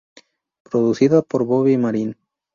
Producida por Bobby Marin.